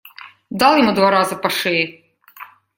Дал ему два раза по шее.